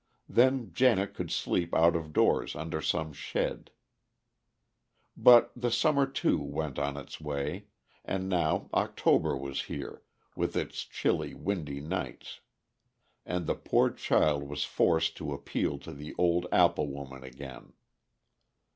Then Janet could sleep out of doors under some shed. But the summer, too, went on its way; and now October was here, with its chilly, windy nights; and the poor child was forced to appeal to the old apple woman again.